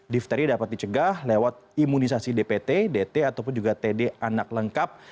difteri dapat dicegah lewat imunisasi dpt dt ataupun juga td anak lengkap